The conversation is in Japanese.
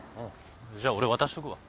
じゃ俺渡しとくわ。